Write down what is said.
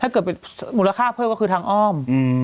ถ้าเกิดมูลค่าเพิ่มก็คือทางอ้อม